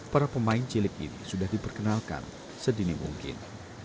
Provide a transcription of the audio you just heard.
para pemain cilik ini sudah diperkenalkan sedini mungkin